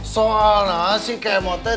soalnya si kemote